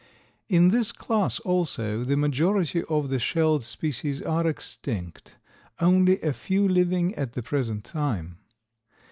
In this class, also, the majority of the shelled species are extinct, only a few living at the present time.